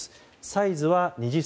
サイズは２０ｃｍ。